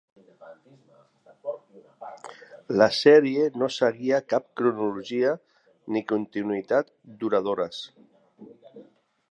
La sèrie no seguia cap cronologia ni continuïtat duradores.